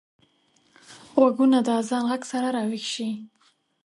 غوږونه د اذان غږ سره راويښ شي